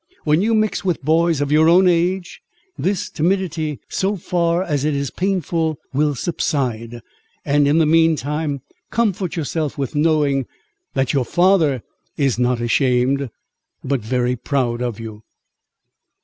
When you mix with boys of your own age, this timidity (so far as it is painful) will subside; and, in the mean time, comfort yourself with knowing, that your father is not ashamed, but proud of you."